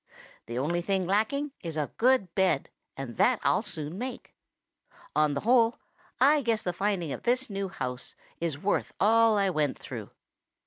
The only thing lacking is a good bed, and that I'll soon make. On the whole, I guess the finding of this new house is worth all I went through.